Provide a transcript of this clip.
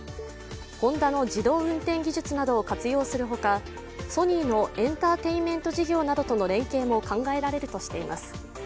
ホンダの自動運転技術などを活用するほかソニーのエンターテインメント事業などとの連携も考えられるとしています。